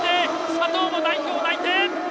佐藤も代表内定！